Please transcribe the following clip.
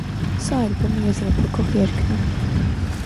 Սա ալբոմը եզրափակող երգն է։